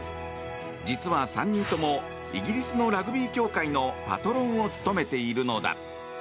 実は、３人ともイギリスのラグビー協会のパトロンを務めているのだ。